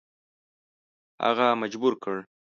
هغه مجبور کړ.